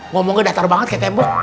ngomongin datar banget kayak tembok